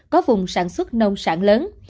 có vùng sản xuất nông sản lớn